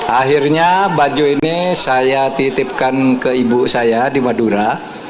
akhirnya baju ini saya titipkan ke ibu saya di madura